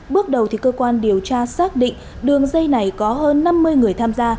bước đầu cơ quan điều tra xác định đường dây này có hơn năm mươi người tham gia